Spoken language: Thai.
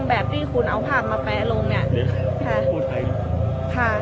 จะหมายความฝันเข้ามาเถอะ